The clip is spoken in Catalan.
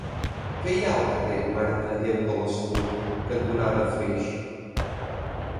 Què hi ha al carrer Mare de Déu de la Salut cantonada Flix?